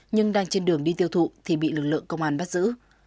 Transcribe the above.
nhưng đang trên đường đi tiêu thụ thì bị lực lượng công an bắt giữ